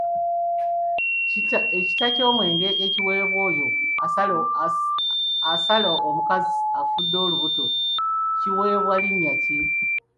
Ekita ky'omwenge ekiweebwa oyo asala omukazi afudde n'olubuto, kiweebwa linnya ki?